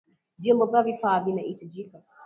Vyombo na vifaa vinavyahitajika